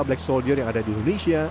black soldier yang ada di indonesia